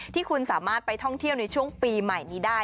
ที่คุณสามารถไปท่องเที่ยวในช่วงปีใหม่นี้ได้